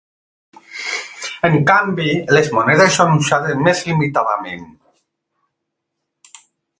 En canvi, les monedes són usades més limitadament.